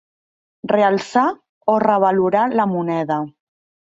Realçar o revalorar la moneda.